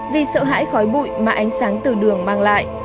vì sợ hãi khói bụi mà ánh sáng từ đường mang lại